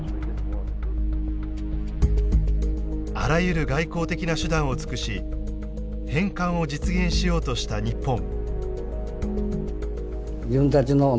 あらゆる外交的な手段を尽くし返還を実現しようとした日本。